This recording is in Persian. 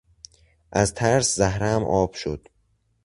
از ترس زهرهام آب شد!